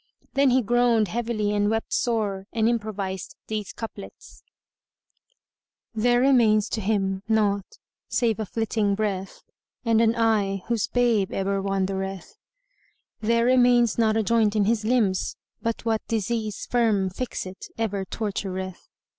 Then he groaned heavily and wept sore and improvised these couplets, "There remains to him naught save a flitting breath * And an eye whose babe ever wandereth. There remains not a joint in his limbs, but what * Disease firm fixt ever tortureth.